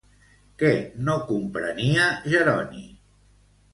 Què no comprenia Jeroni?